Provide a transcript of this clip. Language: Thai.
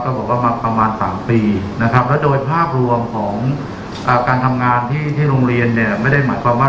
บอกว่ามาประมาณ๓ปีนะครับแล้วโดยภาพรวมของการทำงานที่โรงเรียนเนี่ยไม่ได้หมายความว่า